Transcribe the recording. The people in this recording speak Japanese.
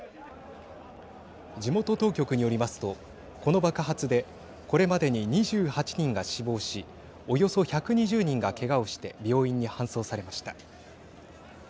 地元当局によりますとこの爆発でこれまでに２８人が死亡しおよそ１２０人がけがをして病院に搬送されました。